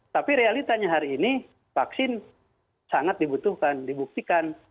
tapi realitanya hari ini vaksin sangat dibutuhkan dibuktikan